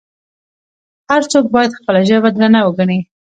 هر څوک باید خپله ژبه درنه وګڼي.